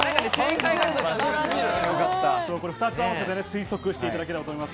２つ合わせて推測していただければと思います。